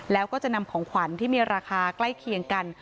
แล้วก็จะนำของขวัญที่มีราคาใกล้เคียงกัน